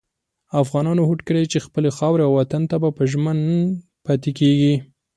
افغانانو هوډ کړی چې خپلې خاورې او وطن ته به ژمن پاتې کېږي.